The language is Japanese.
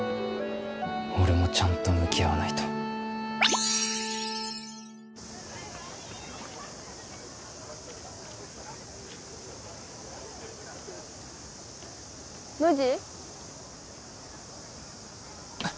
俺もちゃんと向き合わないとノジ？